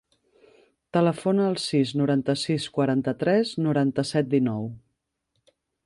Telefona al sis, noranta-sis, quaranta-tres, noranta-set, dinou.